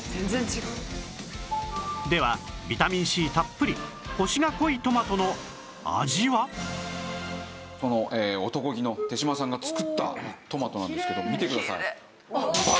ではビタミン Ｃ たっぷりこの男気の手島さんが作ったトマトなんですけど見てください。